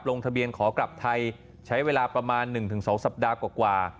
ลงทะเบียนขอกลับไทยใช้เวลาประมาณ๑๒สัปดาห์กว่า